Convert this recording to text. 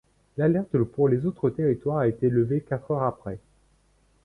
L'alerte pour les autres territoires a été levée quatre heures après.